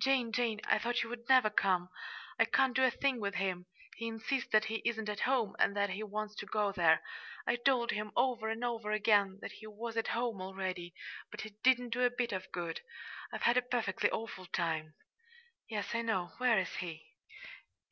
"Jane, Jane, I thought you would never come! I can't do a thing with him. He insists that he isn't at home, and that he wants to go there. I told him, over and over again, that he was at home already, but it didn't do a bit of good. I've had a perfectly awful time." "Yes, I know. Where is he?"